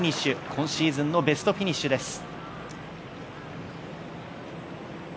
今シーズンのベストフィニッシュです。